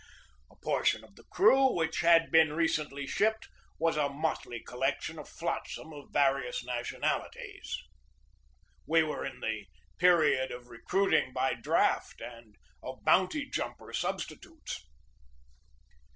A portion of the crew which had been recently shipped was a motley collection of flotsam of various nation alities. We were in the period of recruiting by draft and of "bounty jumper" substitutes.